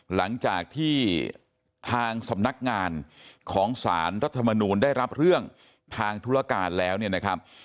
หลังจากที่ทางสำนักงานของสารรัฐมนูลได้รับเรื่องทางธุรการแล้วเนี่ยนะครับ